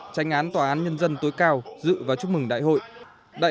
tranh án tòa án nhân dân tối cao dự và chúc mừng đại hội